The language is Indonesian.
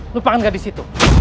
lupakan gadis itu